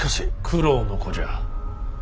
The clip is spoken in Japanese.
九郎の子じゃ。